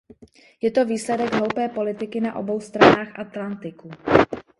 Je to výsledek hloupé politiky na obou stranách Atlantiku.